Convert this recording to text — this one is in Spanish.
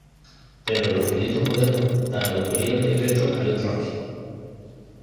Pero los eruditos modernos dan la autoría del decreto a León Trotski.